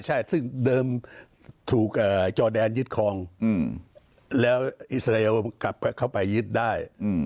ใช่ซึ่งเดิมถูกจอแดนยึดคลองแล้วอิสราเอลกลับเข้าไปยึดได้